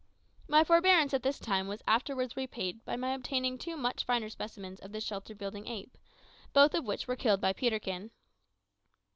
My forbearance at this time was afterwards repaid by my obtaining two much finer specimens of this shelter building ape, both of which were killed by Peterkin.